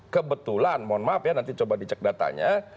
kebetulan mohon maaf ya nanti coba dicek datanya